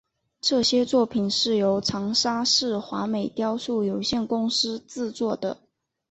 这些作品是由长沙市华美雕塑有限公司制作的。